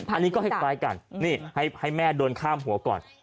อันนี้ก็คล้ายกันนี่ให้แม่เดินข้ามหัวก่อน